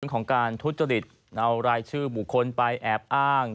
เรื่องของการทุจน์ลิตเอารายชื่อหมูคนไปแอบอ้าง